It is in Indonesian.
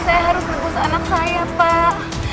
saya harus berbus anak saya pak